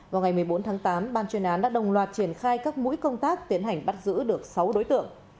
vào ngày một mươi bốn tháng tám ban chuyên án đã đồng loạt triển khai các mũi công tác tiến hành bắt giữ được sáu đối tượng